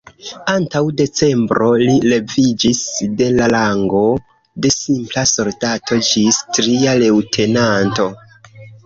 Antaŭ decembro, li leviĝis de la rango de simpla soldato ĝis tria leŭtenanto.